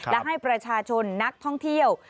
และให้ประชาชนนักท่องเที่ยว